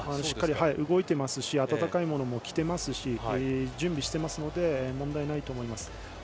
しっかり動いてますし温かいものも着ていますし準備していますので問題ないと思います。